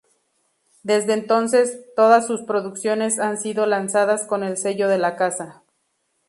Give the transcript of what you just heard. Desde entonces, todas sus producciones han sido lanzadas con el sello de la casa.